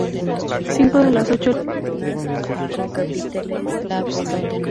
Cinco de las ocho líneas del Metro de Chicago usan The Loop.